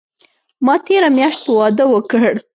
ما تیره میاشت واده اوکړ